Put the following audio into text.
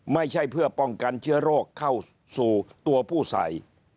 ไม่ใช่เพื่อป้องกันเชื้อโรคเข้าสู่ตัวผู้ใส่